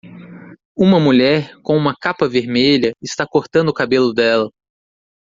Uma mulher com uma capa vermelha está cortando o cabelo dela.